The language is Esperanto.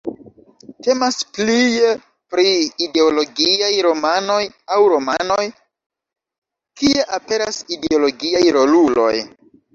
Temas plie pri ideologiaj romanoj aŭ romanoj, kie aperas ideologiaj roluloj.